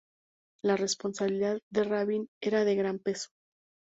La responsabilidad de Rabin era de gran peso.